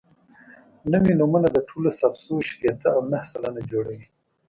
نوي نومونه د ټولو ثبت شویو شپېته او نهه سلنه جوړوي.